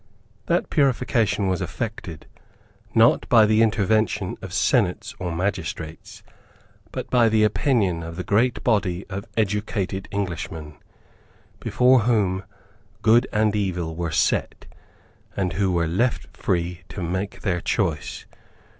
That purification was effected, not by the intervention of senates or magistrates, but by the opinion of the great body of educated Englishmen, before whom good and evil were set, and who were left free to make their choice.